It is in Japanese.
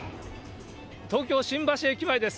東京・新橋駅前です。